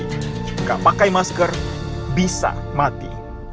jika pakai masker bisa mati